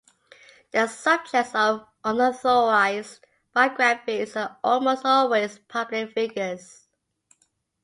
The subjects of unauthorized biographies are almost always public figures.